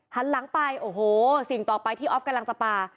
หันหลังไปโอ้โหสิ่งต่อไปที่ออฟกำลังจะปลา